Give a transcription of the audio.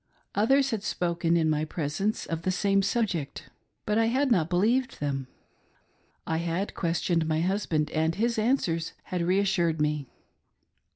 Others had spoken in my presence of the same subject, but I had not believed them. I had ques tioned my husband, and his answers had reassured me.